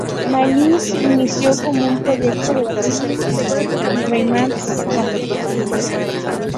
Malice inició como un proyecto del bajista Rayman James.